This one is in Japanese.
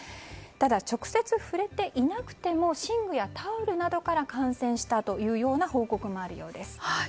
ただ、直接触れていなくても寝具やタオルなどから感染したというような報告もあるようです。